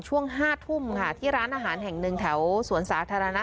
ช่วง๕ทุ่มค่ะที่ร้านอาหารแห่งหนึ่งแถวสวนสาธารณะ